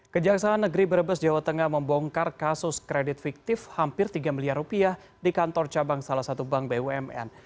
kejaksaan negeri brebes jawa tengah membongkar kasus kredit fiktif hampir tiga miliar rupiah di kantor cabang salah satu bank bumn